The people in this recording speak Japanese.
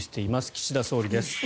岸田総理です。